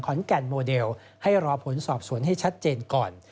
แก่นโมเดลให้รอผลสอบสวนให้ชัดเจนก่อน